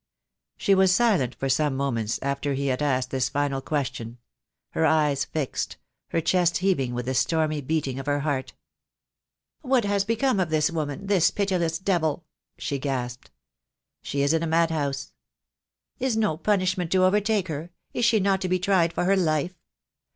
She was silent for some moments after he had asked this final question, her eyes fixed, her chest heaving with the stormy beating of her heart. THE DAY WILL COME. 277 "What has become of this woman — this pitiless devil?" she gasped. "She is in a madhouse." "Is no punishment to overtake her? Is she not to be tried for her life?